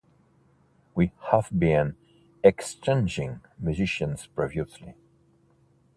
We have been „exchanging“ musicians previously.